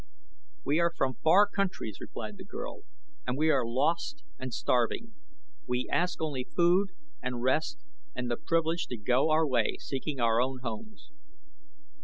"We are from far countries," replied the girl, "and we are lost and starving. We ask only food and rest and the privilege to go our way seeking our own homes."